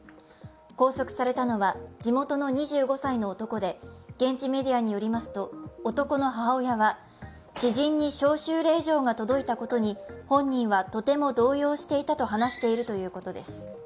拘束されたのは地元の２５歳の男で、現地メディアによりますと男の母親は、知人に招集令状が届いたことに本人はとても動揺していたと話しているということです。